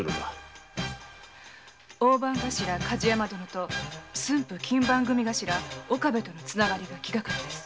大番頭・梶山殿と駿府勤番組頭の岡部とのつながりが気がかりです。